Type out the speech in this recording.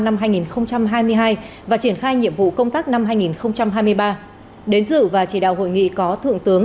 năm hai nghìn hai mươi hai và triển khai nhiệm vụ công tác năm hai nghìn hai mươi ba đến dự và chỉ đạo hội nghị có thượng tướng